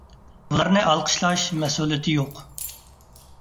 ئۇلارنى ئالقىشلاش مەسئۇلىيىتى يوق.